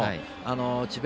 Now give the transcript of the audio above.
智弁